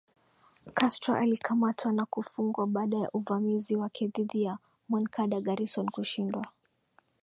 Castro alikamatwa na kufungwa baada ya uvamizi wake dhidi ya Moncada Garrison kushindwa